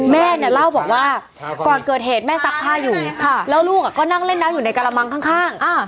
แม่เนี่ยเล่าบอกว่าก่อนเกิดเหตุแม่ซักผ้าอยู่แล้วลูกก็นั่งเล่นน้ำอยู่ในกระมังข้าง